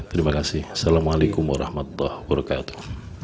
terima kasih assalamu alaikum warahmatullahi wabarakatuh